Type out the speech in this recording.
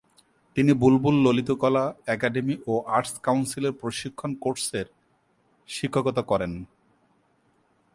তিনি বুলবুল ললিতকলা একাডেমি ও আর্টস কাউন্সিলের প্রশিক্ষণ কোর্সের শিক্ষকতা করেন।